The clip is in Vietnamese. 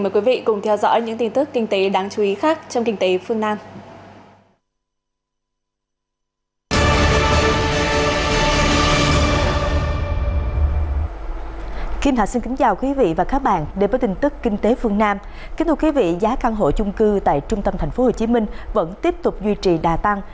kính thưa quý vị và các bạn giá căn hộ chung cư tại trung tâm tp hcm vẫn tiếp tục duy trì đa tăng